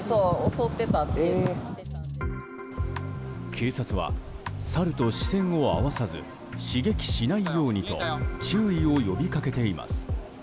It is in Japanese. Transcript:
警察は、サルと視線を合わさず刺激しないようにと注意を呼び掛けています。